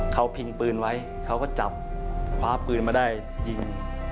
เขาพิงปืนไว้เขาก็จับคว้าปืนมาได้ยิง